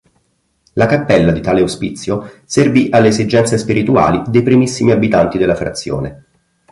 La cappella di tale ospizio servì alle esigenze spirituali dei primissimi abitanti della frazione.